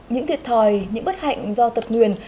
những thiệt thòi những bất hạnh do tật nguyền